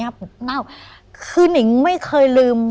โปรดติดตามต่อไป